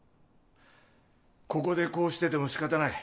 ここでこうしてても仕方ない。